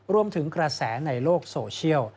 รวมถึงกระแสในโลกโซเชียล